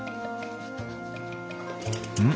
うん？